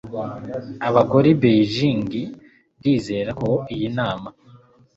abagore i beijing. ndizera ko iyi nama